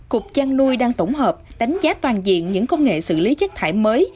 cục trăn nuôi đang tổng hợp đánh giá toàn diện những công nghệ xử lý chất thải mới